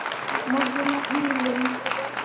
Mo gi nah ɗǝǝ lǝŋ.